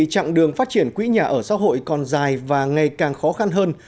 trạng đường phát triển quỹ nhà ở xã hội còn dài và ngày càng khó khăn hơn